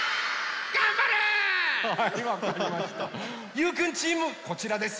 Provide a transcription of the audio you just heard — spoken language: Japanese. ゆうくんチームこちらですよ！